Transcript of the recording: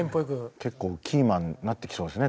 結構キーマンになってきそうですね